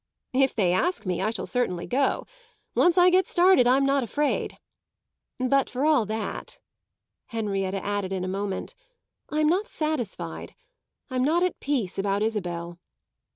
"If they ask me, I shall certainly go. Once I get started I'm not afraid. But for all that," Henrietta added in a moment, "I'm not satisfied; I'm not at peace about Isabel."